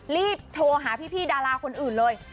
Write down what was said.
รีบโทรหาพี่ดาราคนอื่นเลย